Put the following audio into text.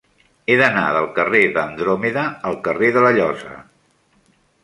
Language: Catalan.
He d'anar del carrer d'Andròmeda al carrer de la Llosa.